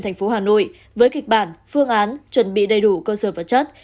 thành phố hà nội với kịch bản phương án chuẩn bị đầy đủ cơ sở vật chất